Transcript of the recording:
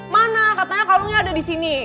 mana katanya kalungnya ada di sini